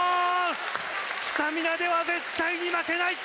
スタミナでは絶対に負けない。